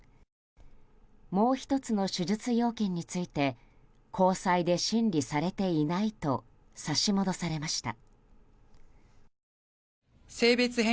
もう１つの手術要件について高裁で審理されていないと差し戻されました。